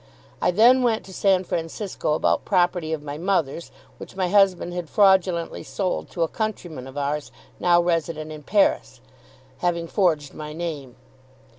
I then went to San Francisco about property of my mother's, which my husband had fraudulently sold to a countryman of ours now resident in Paris, having forged my name.